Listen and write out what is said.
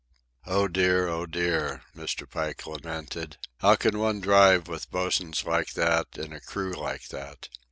"Oh dear, oh dear," Mr. Pike lamented. "How can one drive with bosuns like that and a crew like that?